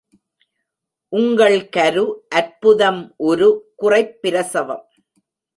உங்கள் கரு அற்புதம் உரு, குறைப் பிரசவம்!